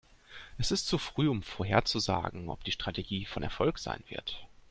Es ist zu früh, um vorherzusagen, ob die Strategie von Erfolg sein wird.